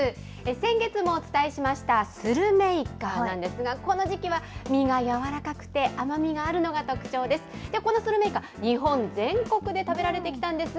先月もお伝えしましたスルメイカなんですが、この時期は身が柔らかくて甘みがあるのが特徴です。